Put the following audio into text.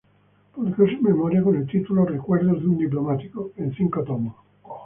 Publicó sus memorias con el título "Recuerdos de un diplomático" en cinco tomos.